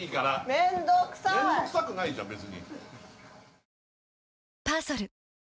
面倒くさくないじゃん別に。